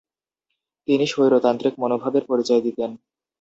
তিনি স্বৈরতান্ত্রিক মনোভাবের পরিচয় দিতেন।